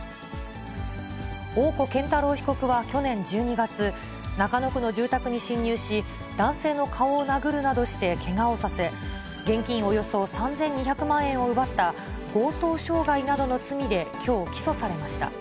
大古健太郎被告は去年１２月、中野区の住宅に侵入し、男性の顔を殴るなどしてけがをさせ、現金およそ３２００万円を奪った、強盗傷害などの罪で、きょう、起訴されました。